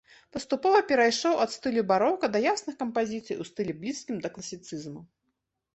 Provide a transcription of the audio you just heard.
Паступова перайшоў ад стылю барока да ясных кампазіцый у стылі блізкім да класіцызму.